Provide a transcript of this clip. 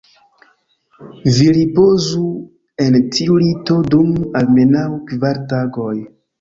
Vi ripozu en tiu lito dum almenaŭ kvar tagoj.